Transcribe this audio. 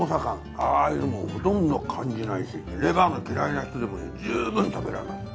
ああいうのほとんど感じないしレバーの嫌いな人でも十分食べられます。